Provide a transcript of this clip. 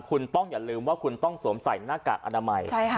คุณต้องอย่าลืมว่าคุณต้องสวมใส่หน้ากากอนามัย